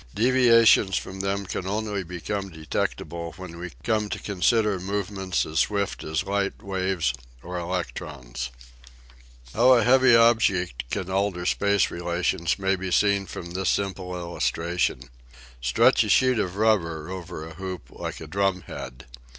Deviations from them can only become detectable when we come to consider movements as swift as light waves or elec trons. 74 EASY LESSONS IN EINSTEIN How a heavy object can alter space relations may be seen from this simple illustration: Stretch a sheet of rubber over a hoop like a drumhead.